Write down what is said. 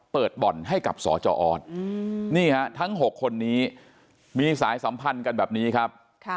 เปิดบ่อนให้กับสจออสนี่ฮะทั้ง๖คนนี้มีสายสัมพันธ์กันแบบนี้ครับ